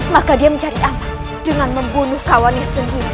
maka dia mencari anak dengan membunuh kawannya sendiri